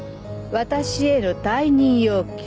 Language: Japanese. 私への退任要求。